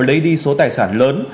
lấy đi số tài sản lớn